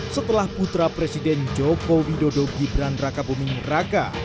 setelah putra presiden joko widodo gibran raka buming raka